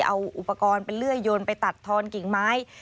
เอาอุปกรณ์เป็นเลื่อยยนไปตัดทอนกิ่งไม้